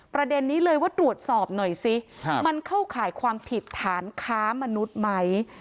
ประเด็นนี้เลยว่าตรวจสอบหน่อยสิมันเข้าข่ายความผิดฐานค้ามนุษย์ไหม